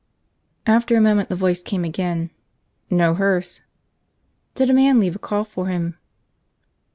After a moment the voice came again. "No hearse." "Did a man leave a call for him?"